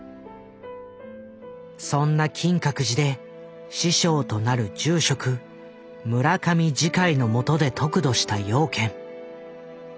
そんな金閣寺で師匠となる住職村上慈海のもとで得度した養賢。